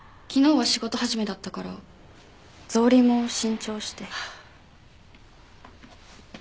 昨日は仕事始めだったから草履も新調して。